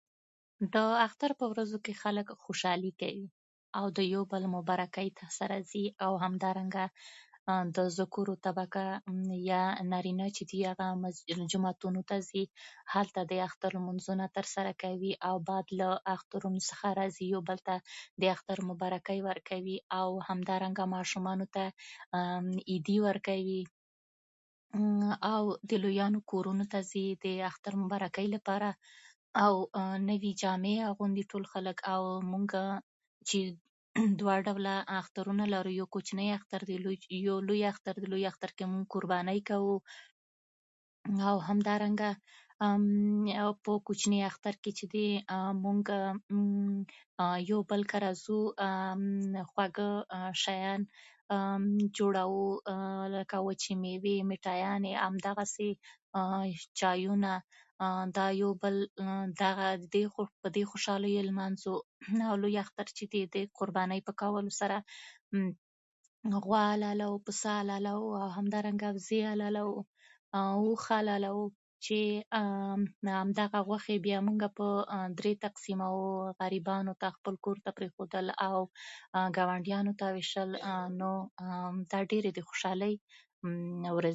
د اختر په ورځو کې خلک خوشالي کوي او د يو بل مبارکۍ ته سره ځي او همدارنګه د ذکورو طبقه يا نارينه چې دي هغه جوماتونو ته ځي هلته د اختر لمونځونه ترسره کوي او بعد له اخترونو څخه راځي يو بل ته د اختر مبارکۍ ورکوي او همدارنګه ماشومانو ته عيدي ورکوي او د لويانو کورونو ته ځي د اختر مبارکۍ لپاره او نوي جامې اغوندي ټول خلک او موږ چې دوه ډوله اخترونه لرو يو کوچنی اختر دی يو لوی اختر دی، لوی اختر کې موږ قربانۍ کوو او همدارنګه په کوچني اختر کې چې دی موږ يو بل کره ځو خواږه شيان جوړوو لکه وچې ميوې ميټايانې او همدغسې چايونه دا يو بل دغه دي په دې خوشالۍ لمانځو او لوی اختر کې قربانۍ کولو سره غوا حلالوو، پسه حلالوو او همدارنګه وزې حلالوو، او اوښ حلالوو، چې دا غوښې بيا په درې برخو ويشو غريبانو ته خپل کور ته پريښودل او ګاونډيانو ته ويشل چې دا ډيرې د خوشالۍ ورځې دي